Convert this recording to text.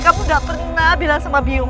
kamu gak pernah bilang sama bium